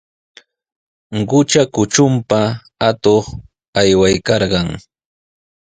Qutra kutrunpa atuq aywaykarqan.